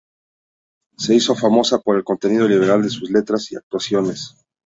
Se hizo famosa por el contenido liberal de sus letras y actuaciones.